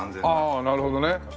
ああなるほどね。